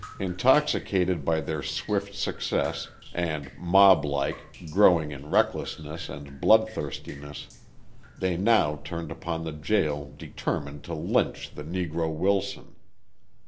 Intoxicated by their swift success and, mob like, growing in recklessness and bloodthirstiness, they now turned upon the jail determined to lynch the Negro Wilson.